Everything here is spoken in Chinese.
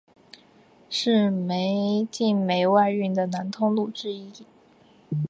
是晋煤外运的南通路之一。